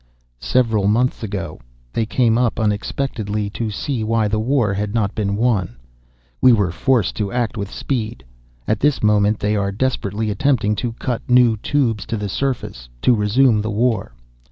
"Several months ago, they came up unexpectedly to see why the war had not been won. We were forced to act with speed. At this moment they are desperately attempting to cut new Tubes to the surface, to resume the war.